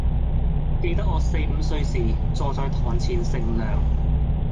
記得我四五歲時，坐在堂前乘涼，